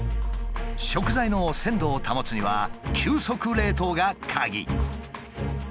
食材の鮮度を保つには急速冷凍がカギ。